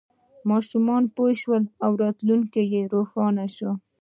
ماشومان پوه شول او راتلونکی یې روښانه شو.